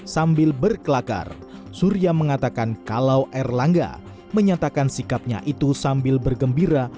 sambil berkelakar surya mengatakan kalau erlangga menyatakan sikapnya itu sambil bergembira